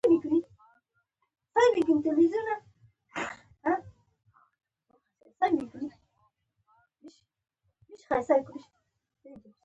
د زړه پاکي د انسان د اصلي ځواک نښه ده.